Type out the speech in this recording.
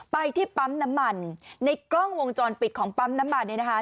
ไปที่ปั๊มน้ำมันในกล้องวงจรปิดของปั๊มน้ำมันเนี่ยนะคะ